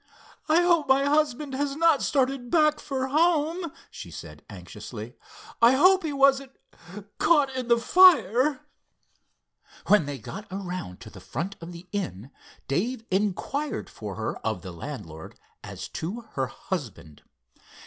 "I hope my husband has not started back for home," she said, anxiously—"I hope he wasn't caught in the fire." When they got around to the front of the inn, Dave inquired for her of the landlord as to her husband.